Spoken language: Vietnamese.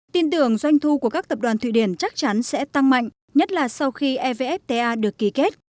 tin tưởng doanh thu của các tập đoàn thụy điển chắc chắn sẽ tăng mạnh nhất là sau khi evfta được ký kết